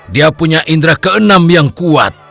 dia punya indera ke enam yang kuat